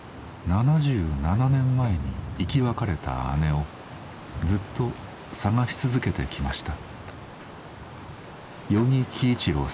７７年前に生き別れた姉をずっと捜し続けてきました。